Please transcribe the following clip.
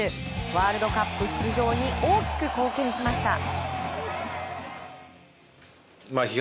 ワールドカップ出場に大きく貢献しました。